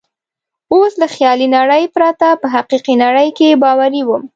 اوس له خیالي نړۍ پرته په حقیقي نړۍ کې باوري وم.